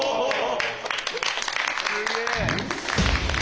すげえ。